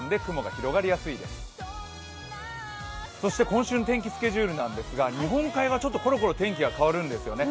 今週の天気スケジュールですが日本海側ちょっところころ天気が変わるんですよね。